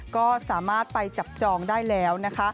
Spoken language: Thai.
ก็สามารถไปจับจองได้แล้วนะคะ